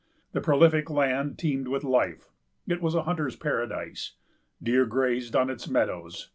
This prolific land teemed with life. It was a hunter's paradise. Deer grazed on its meadows.